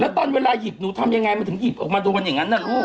ตอนเวลาหยิบหนูทำยังไงมันถึงหยิบออกมาโดนอย่างนั้นนะลูก